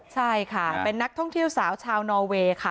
ใช่ค่ะเป็นนักท่องเที่ยวสาวชาวนอเวย์ค่ะ